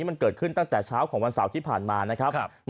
มันเกิดขึ้นตั้งแต่เช้าของวันเสาร์ที่ผ่านมานะครับ